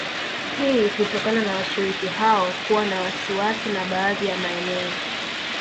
Hii kutokana na washiriki hao kuwa na wasiwasi na baadhi ya maeneo